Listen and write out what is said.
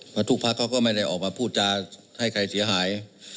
เพราะทุกภักดิ์เขาก็ไม่ได้ออกมาพูดจะให้ใครเสียหาย